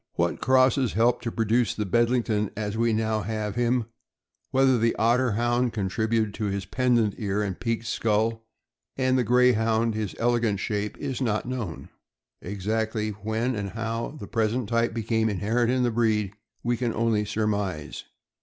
What crosses helped to produce the Bedlington as we now have him, whether the Otter Hound contributed his pendent ears and peaked skull, and the Greyhound his ele gant shape, is not known. Exactly when and how the pres ent type became inherent in the breed we can only surmise.